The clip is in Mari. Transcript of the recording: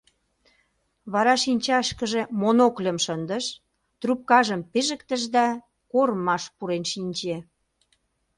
Вара шинчашкыже монокльым шындыш, трупкажым пижыктыш да кормаш пурен шинче.